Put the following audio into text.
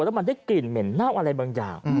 แล้วมันได้กลิ่นเหม็นเน่าอะไรบางอย่าง